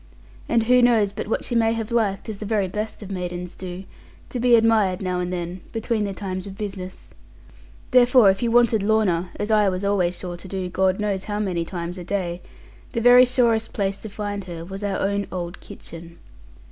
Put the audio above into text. And who knows but what she may have liked (as the very best of maidens do) to be admired, now and then, between the times of business? Therefore if you wanted Lorna (as I was always sure to do, God knows how many times a day), the very surest place to find her was our own old kitchen.